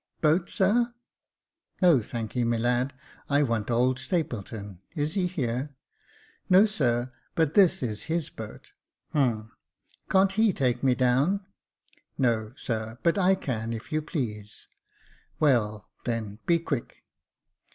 "Boat, sir?" *' No, thanky, my lad. I want old Stapleton—is he here?" *' No, sir, but this is his boat." *' Humph, can't he take me down ?"" No, sir ; but I can, if you please." " Well, then, be quick."